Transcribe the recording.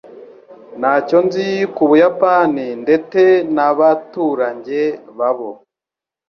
Ntacyo nzi ku Buyapani ndete naba turanjye babo.